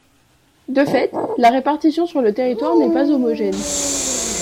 De fait, la répartition sur le territoire n’est pas homogène.